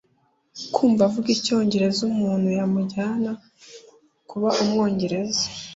Kumva avuga icyongereza, umuntu yamujyana kuba umwongereza